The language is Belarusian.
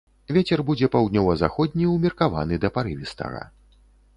Вецер будзе паўднёва-заходні ўмеркаваны да парывістага.